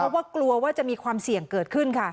เพราะมีความเสี่ยงเกิดขึ้น